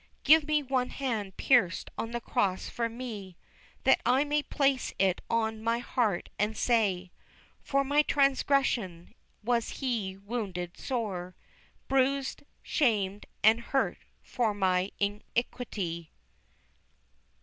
Give me one hand pierced on the cross for me, That I may place it on my heart and say, For my transgression was He wounded sore, Bruised, shamed, and hurt for my iniquity.